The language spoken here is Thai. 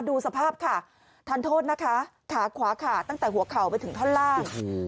ดูสภาพค่ะทานโทษนะคะขาขวาขาดตั้งแต่หัวเข่าไปถึงท่อนล่าง